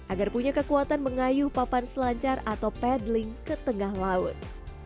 agar punya kekuatan mengayuh papan selancar atau pedling ke tengah laut